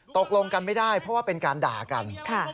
ตกลงกันไม่ได้เพราะว่าเป็นการด่ากัน